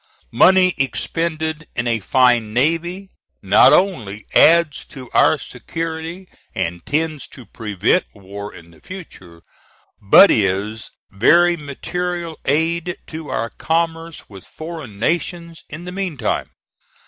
Money expended in a fine navy, not only adds to our security and tends to prevent war in the future, but is very material aid to our commerce with foreign nations in the meantime.